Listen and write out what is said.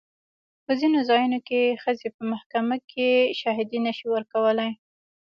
په ځینو ځایونو کې ښځې په محکمې کې شاهدي نه شي ورکولی.